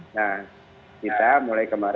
nah kita mulai kembali